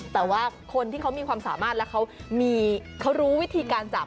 แต่ว่าคนที่เขามีความสามารถแล้วเขารู้วิธีการจับ